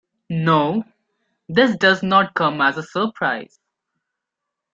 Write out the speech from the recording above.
No, this does not come as a surprise.